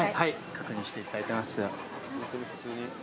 確認していただいてます。